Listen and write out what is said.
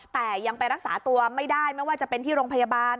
แต่ยังไปรักษาตัวไม่ได้ไม่ว่าจะเป็นที่โรงพยาบาล